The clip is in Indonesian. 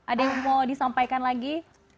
ada yang mau disampaikan lagi